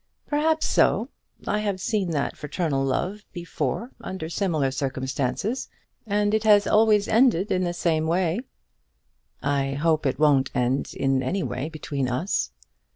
"Perhaps so. I have seen that fraternal love before under similar circumstances, and it has always ended in the same way." "I hope it won't end in any way between us."